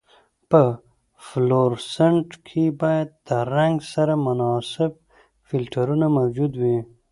په فلورسنټ کې باید د رنګ سره مناسب فلټرونه موجود وي.